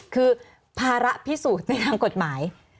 คือภาระพิสูจน์ในทางกฎหมาย